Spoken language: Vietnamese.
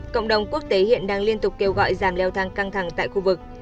cộng đồng quốc tế hiện đang liên tục kêu gọi giảm leo thang căng thẳng tại khu vực